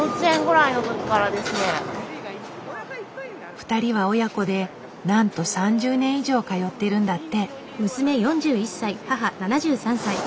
２人は親子でなんと３０年以上通ってるんだって。